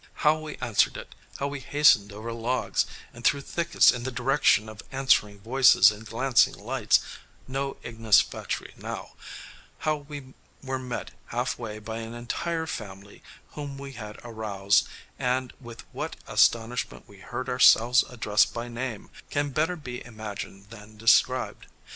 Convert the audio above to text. How we answered it, how we hastened over logs and through thickets in the direction of answering voices and glancing lights no ignes fatui now how we were met halfway by an entire family whom we had aroused, and with what astonishment we heard ourselves addressed by name, can better be imagined than described.